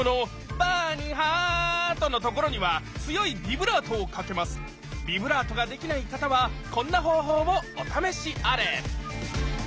ビブラートができない方はこんな方法をお試しあれ！